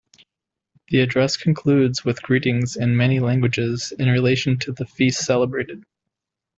The address concludes with greetings in many languages in relation to the feast celebrated.